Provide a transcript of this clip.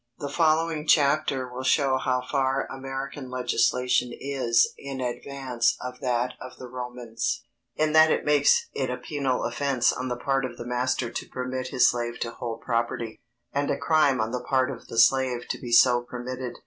_ The following chapter will show how far American legislation is in advance of that of the Romans, in that it makes it a penal offence on the part of the master to permit his slave to hold property, and a crime on the part of the slave to be so permitted.